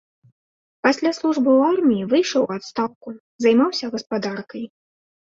Пасля службы ў арміі выйшаў у адстаўку, займаўся гаспадаркай.